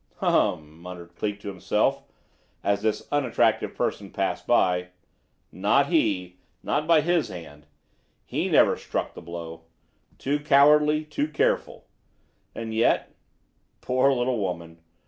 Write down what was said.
"Hum m m!" muttered Cleek to himself, as this unattractive person passed by. "Not he not by his hand. He never struck the blow too cowardly, too careful. And yet Poor little woman!